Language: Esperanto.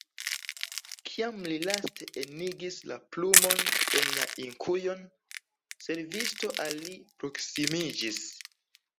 Kiam li laste enigis la plumon en la inkujon, servisto al li proksimiĝis.